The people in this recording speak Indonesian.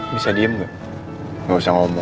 boleh apa itu